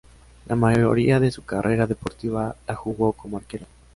La mayoría de su carrera deportiva la jugó como arquero.